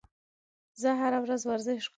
زه هره ورځ ورزش